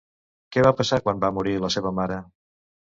Què va passar quan va morir la seva mare?